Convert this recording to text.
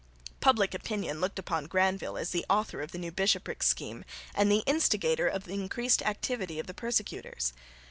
Public opinion looked upon Granvelle as the author of the new bishoprics scheme and the instigator of the increased activity of the persecutors.